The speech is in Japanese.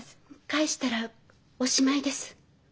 返したらおしまいです。